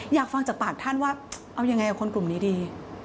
อยากฟังจากปากท่านว่าเอายังไงกับคนกลุ่มนี้ดี